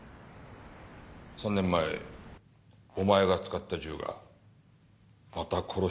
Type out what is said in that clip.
３年前お前が使った銃がまた殺しに使われたぞ。